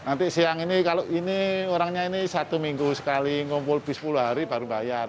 nanti siang ini kalau ini orangnya ini satu minggu sekali ngumpul bi sepuluh hari baru bayar